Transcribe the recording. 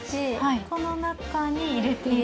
この中に入れていく？